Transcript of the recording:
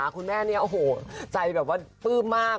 คุณแม่ใจแบบว่าปื้มมาก